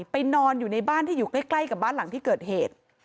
นอนอยู่ในบ้านที่อยู่ใกล้กับบ้านหลังที่เกิดเหตุ